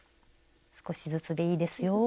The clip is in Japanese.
少しずつでいいですよ。